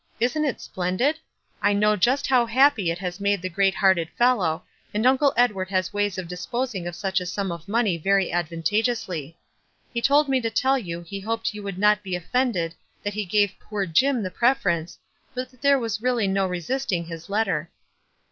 "Isn't it splendid? I know just how happy it has made the great hearted fellow, and Uncle Ed ward has ways of disposing of such a sum of money very advantageously. He told me to tell you he hoped you would not be offended that he gave poor Jim the preference, but that there was really no resisting his letter."